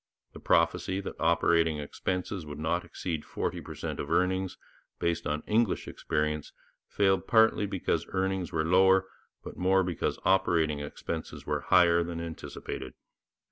The prophecy that operating expenses would not exceed forty per cent of earnings, based on English experience, failed partly because earnings were lower, but more because operating expenses were higher, than anticipated.